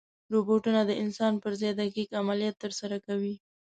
روبوټونه د انسان پر ځای دقیق عملیات ترسره کوي.